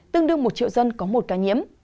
tương đương một triệu dân có một ca nhiễm